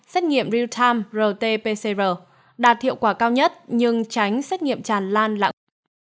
xét nghiệm real time rt pcr đạt hiệu quả cao nhất nhưng tránh xét nghiệm tràn lan lặng